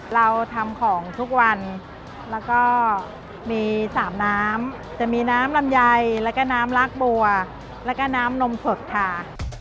เรามี๓น้ำน้ำลำไยน้ำลากบัวน้ำนมสดทา